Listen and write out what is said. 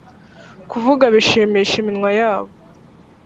kuvuga bishimisha iminwa yabo .